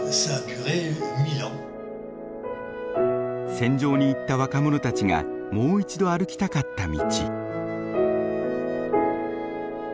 戦場に行った若者たちがもう一度歩きたかった道。